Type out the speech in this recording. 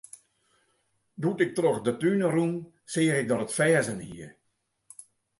Doe't ik troch de tún rûn, seach ik dat it ferzen hie.